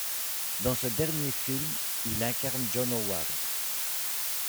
Dans ce dernier film, il incarne John Howard.